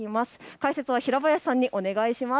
解説は平林さんにお願いします。